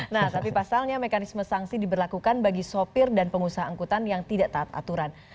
nah tapi pasalnya mekanisme sanksi diberlakukan bagi sopir dan pengusaha angkutan yang tidak taat aturan